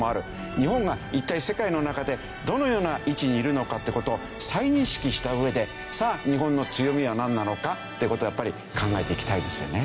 日本が一体世界の中でどのような位置にいるのかって事を再認識したうえでさあ日本の強みはなんなのかっていう事をやっぱり考えていきたいですよね。